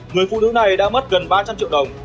người phụ nữ này đã mất gần ba trăm linh triệu đồng